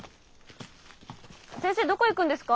先生どこ行くんですか？